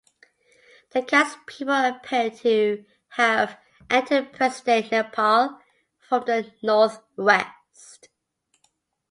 The Khas people appear to have entered present-day Nepal from the north-west.